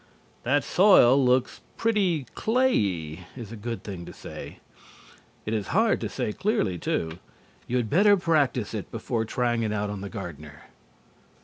"That soil looks pretty clayey," is a good thing to say. (It is hard to say, clearly, too. You had better practise it before trying it out on the gardener).